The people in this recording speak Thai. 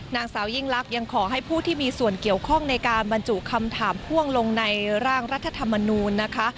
นางสาวยิ่งลักษณ์ยังขอให้ผู้ที่มีส่วนเกี่ยวข้องในการบรรจุคำถามพ่วงลงในร่างรัฐธรรมนูลนะคะ